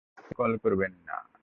পুলিশে কল করবেন না।